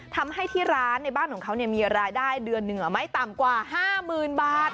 ที่ร้านในบ้านของเขามีรายได้เดือนเหนือไม่ต่ำกว่า๕๐๐๐บาท